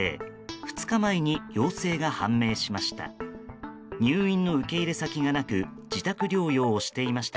２日前に陽性が判明しました。